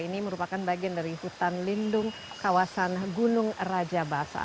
ini merupakan bagian dari hutan lindung kawasan gunung rajabasa